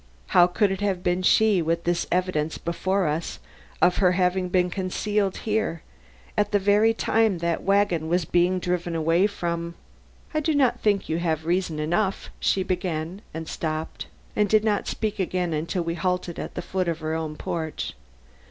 How could it have been she with this evidence before us of her having been concealed here at the very time that wagon was being driven away from " "I do not think you have reason enough " she began and stopped, and did not speak again till we halted at the foot of her own porch.